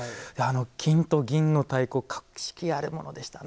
金と銀の太鼓格式あるものでしたね。